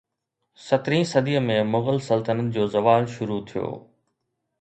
سترهين صديءَ ۾ مغل سلطنت جو زوال شروع ٿيو